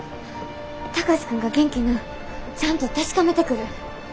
貴司君が元気なんちゃんと確かめてくる。